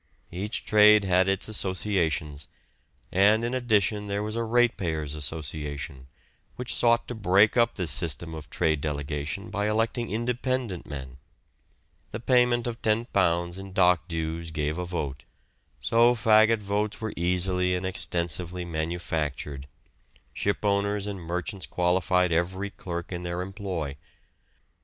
Each trade had its associations, and in addition there was a ratepayers' association, which sought to break up this system of trade delegation by electing independent men. The payment of £10 in dock dues gave a vote. So faggot votes were easily and extensively manufactured. Shipowners and merchants qualified every clerk in their employ.